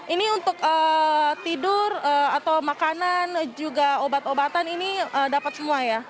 ini untuk tidur atau makanan juga obat obatan ini dapat semua ya